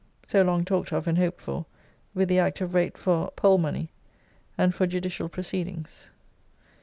] (so long talked of and hoped for), with the Act of Rate for Pole money, an for judicial proceedings.